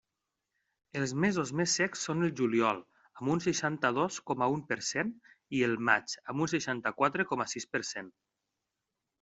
Els mesos més secs són el juliol, amb un seixanta-dos coma un per cent i el maig, amb un seixanta-quatre coma sis per cent.